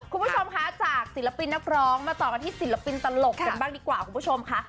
คุณผู้ชมคะจากศิลปินนักร้องมาต่อกันที่ศิลปินตลกกันบ้างดีกว่าคุณผู้ชมค่ะ